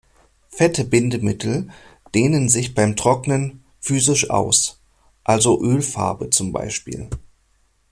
Fette Bindemittel dehnen sich beim Trocknen physisch aus; also Ölfarbe zum Beispiel.